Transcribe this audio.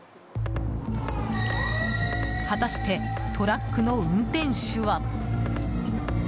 果たしてトラックの運転手は。